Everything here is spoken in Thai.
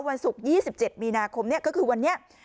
วันศุกร์ยี่สิบเจ็ดมีนาคมเนี้ยก็คือวันเนี้ย